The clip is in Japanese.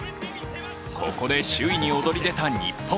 ここで首位に躍り出た日本。